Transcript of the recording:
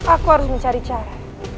aku harus mencari cara